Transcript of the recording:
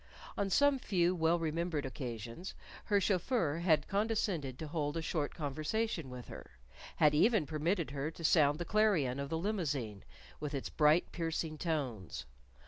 On some few well remembered occasions her chauffeur had condescended to hold a short conversation with her; had even permitted her to sound the clarion of the limousine, with its bright, piercing tones.